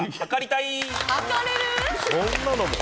そんなのも？